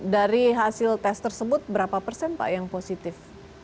dari hasil tes tersebut berapa persen pak yang positif